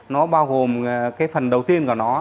nó bao gồm cái phần đầu tiên của nó